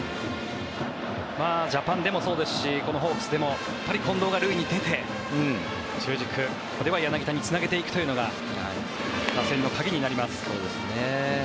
ジャパンでもそうですしこのホークスでもやっぱり近藤が塁に出て中軸、柳田につなげていくというのが打線の鍵になります。